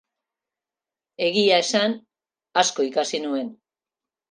Egia esan, asko ikasi nuen.